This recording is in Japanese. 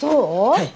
はい。